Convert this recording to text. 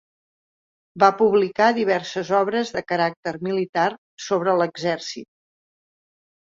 Va publicar diverses obres de caràcter militar sobre l'exèrcit.